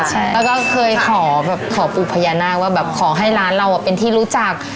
แล้วก็เคยขอปลูกพญานาคว่าขอให้ร้านเราเป็นที่รู้จัก